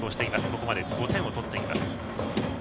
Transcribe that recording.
ここまで５点を取っています。